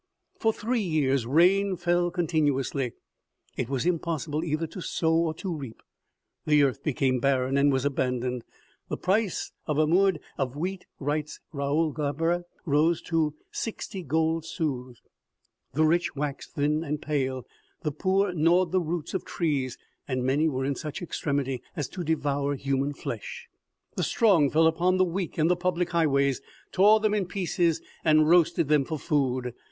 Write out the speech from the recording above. For three years rain fell continuously ; it was impossible either to sow or to reap. The earth became barren and was abandoned. " The price of a ' muid ' of wheat," writes Raoul Glaber, " rose to sixty gold sous ; the rich waxed thin and pale ; the poor gnawed the roots of trees, and many were in such extremity as to devour human flesh. The strong fell upon the weak in the public highways, tore them in pieces, and roasted them for food.